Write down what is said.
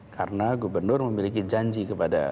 karena gubernur memiliki janji kepada